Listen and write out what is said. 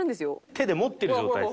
手で持ってる状態ですね。